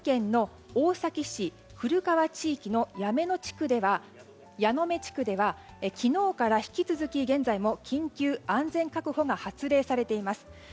古川地域の矢目地区では昨日から引き続き現在も緊急安全確保が発令されています。